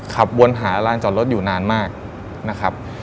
ขับวนหาลานจอดรถอยู่นานมากนะครับ